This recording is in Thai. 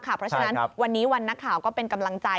เพราะฉะนั้นวันนี้วันนักข่าวก็เป็นกำลังใจ